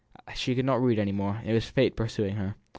She could not read anymore; it was Fate pursuing her.